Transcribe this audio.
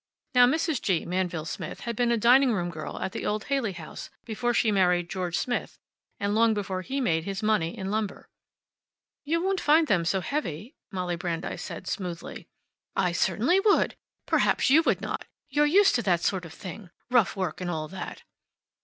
Now, Mrs. G. Manville Smith had been a dining room girl at the old Haley House before she married George Smith, and long before he made his money in lumber. "You won't find them so heavy," Molly Brandeis said smoothly. "I certainly would! Perhaps you would not. You're used to that sort of thing. Rough work, and all that."